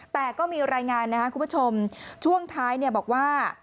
แต่ก็มีรายงานนะครับคุณผู้ชมช่วงท้ายบอกว่า